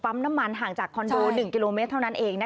น้ำมันห่างจากคอนโด๑กิโลเมตรเท่านั้นเอง